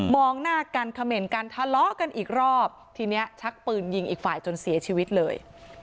หน้ากันเขม่นกันทะเลาะกันอีกรอบทีนี้ชักปืนยิงอีกฝ่ายจนเสียชีวิตเลย